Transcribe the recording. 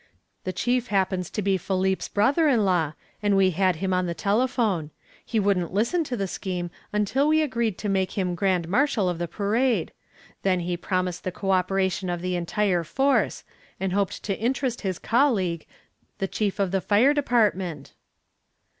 "The chief happens to be Philippe's brother in law, and we had him on the telephone. He wouldn't listen to the scheme until we agreed to make him grand marshal of the parade. Then he promised the cooperation of the entire force and hoped to interest his colleague, the chief of the fire department."